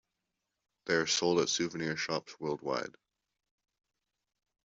They are sold at souvenir shops worldwide.